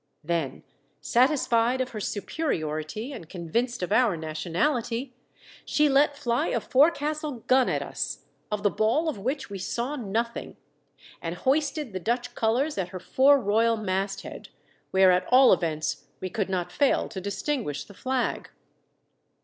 Then, satisfied of her superiority, and convinced of our nationality, she let fly a forecastle gun at us, of the ball of which we saw nothing, and hoisted the Dutch colours at her fore royal masthead, where, at all events, we could not fail to distinguish the flag.